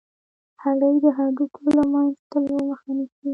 هګۍ د هډوکو له منځه تلو مخه نیسي.